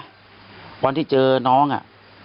อัน๔๕๐มที่เจอน้องอ่ะ